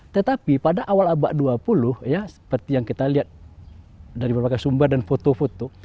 tetapi pada awal abad dua puluh ya seperti yang kita lihat dari berbagai sumber dan foto foto